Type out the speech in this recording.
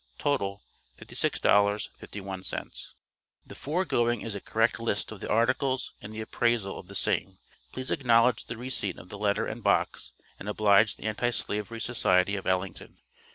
Total, $56,51. The foregoing is a correct list of the articles and the appraisal of the same. Please acknowledge the receipt of the letter and box, and oblige the Anti slavery Society of Ellington.